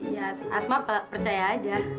ya asma percaya aja